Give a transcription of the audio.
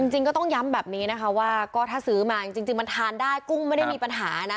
จริงก็ต้องย้ำแบบนี้นะคะว่าก็ถ้าซื้อมาจริงมันทานได้กุ้งไม่ได้มีปัญหานะ